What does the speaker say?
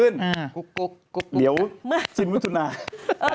ณจินวุทธนาธิ์